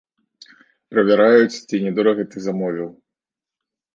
Правяраюць, ці не дорага ты замовіў.